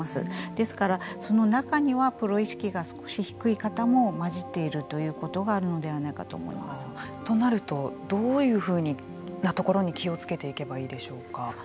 ですから、その中にはプロ意識が少し低い方も交じっているということがあるのではないかとなるとどういうふうなところに気をつけていけばいいでしょうか。